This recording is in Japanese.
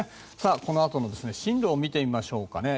このあとの進路を見てみましょうか。